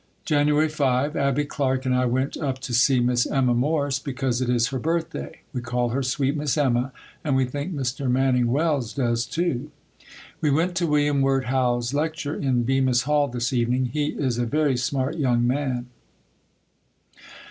January 5. Abbie Clark and I went up to see Miss Emma Morse because it is her birthday. We call her sweet Miss Emma and we think Mr. Manning Wells does, too. We went to William Wirt Howe's lecture in Bemis Hall this evening. He is a very smart young man.